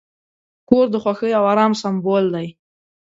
کور د خوښۍ او آرام سمبول دی.